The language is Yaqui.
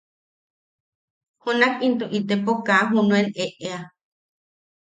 Junak into itepo kaa junuen eʼea.